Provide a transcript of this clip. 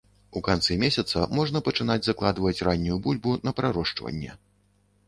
У канцы месяца можна пачынаць закладваць раннюю бульбу на прарошчванне.